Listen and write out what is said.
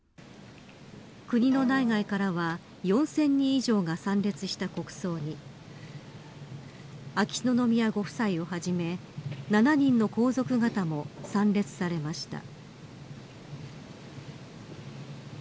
国の内外からは４０００人以上が参列した国葬に秋篠宮ご夫妻をはじめ７人の皇族方も参列されました。